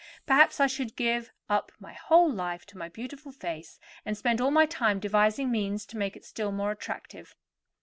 Perhaps I should give up my whole life to my beautiful face, and spend all my time devising means to make it still more attractive."